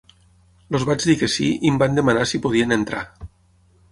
Els vaig dir que sí i em van demanar si podien entrar.